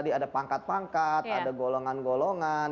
ada pangkat pangkat ada golongan golongan